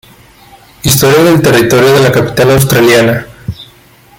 Historia del Territorio de la Capital Australiana